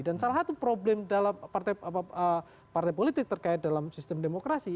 dan salah satu problem partai politik terkait dalam sistem demokrasi